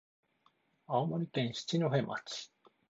青森県七戸町